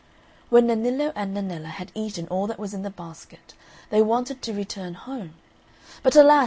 When Nennillo and Nennella had eaten all that was in the basket, they wanted to return home; but alas!